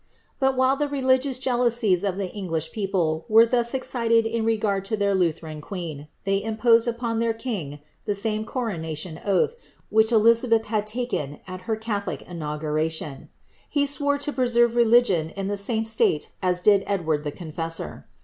But, while the religious jealousies of the English people were i!ii.s excited in regard lo tlieir Lutheran queen, they unposed upon their kmi the same coronation oalh, which Kiizabeih iiad taken at her catholic inauguration, lie swure to preserve religion in the same state a^ lii^ Edward the Confessor!'